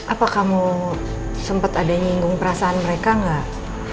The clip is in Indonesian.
apa kamu sempet ada yang nyinggung perasaan mereka gak